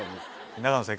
永野さん